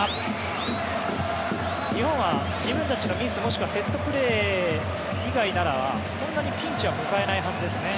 日本は自分たちのミスもしくはセットプレー以外ならそんなにピンチは迎えないはずですね。